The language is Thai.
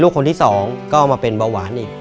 รายการต่อไปนี้เป็นรายการทั่วไปสามารถรับชมได้ทุกวัย